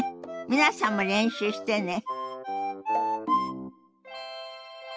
皆さんも練習してね。